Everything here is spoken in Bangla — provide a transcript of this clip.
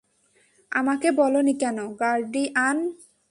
আমাকে বলোনি কেন, গার্ডিয়ান?